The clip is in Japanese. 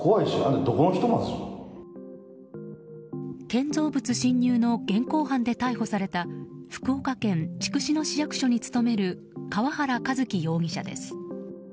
建造物侵入の現行犯で逮捕された福岡県筑紫野市役所に勤める川原一起容疑者です。